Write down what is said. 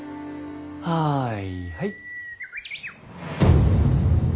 はいはい。